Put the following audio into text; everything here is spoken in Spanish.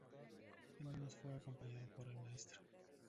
En unos fue acompañada por el Mtro.